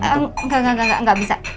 enggak enggak enggak enggak bisa